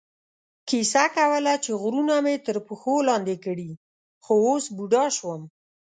کیسه کوله چې غرونه مې تر پښو لاندې کړي، خو اوس بوډا شوم.